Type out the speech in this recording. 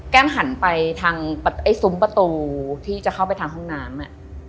หันไปทางซุ้มประตูที่จะเข้าไปทางห้องน้ำ